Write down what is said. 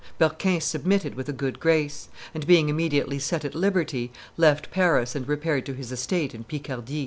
Berquin submitted with a good grace, and, being immediately set at liberty, left Paris and repaired to his estate in Picardy.